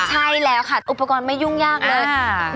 ใช่แล้วค่ะอุปกรณ์ไม่ยุ่งยากเลย